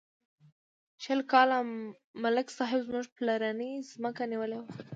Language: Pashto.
شل کاله ملک صاحب زموږ پلرنۍ ځمکه نیولې وه.